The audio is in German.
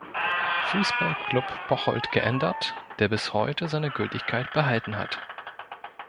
Fußballclub Bocholt“ geändert, der bis heute seine Gültigkeit behalten hat.